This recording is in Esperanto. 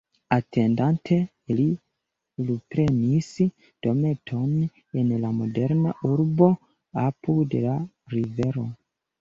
Atendante, li luprenis dometon en la moderna urbo, apud la rivero.